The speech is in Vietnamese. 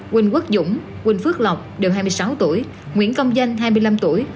quỳnh quốc dũng quỳnh phước lộc đều hai mươi sáu tuổi nguyễn công danh hai mươi năm tuổi